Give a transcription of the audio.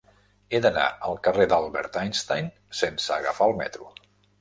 He d'anar al carrer d'Albert Einstein sense agafar el metro.